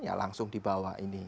ya langsung dibawa ini